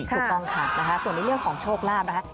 ถูกต้องค่ะนะคะส่วนในเรื่องของโชคลาภนะคะ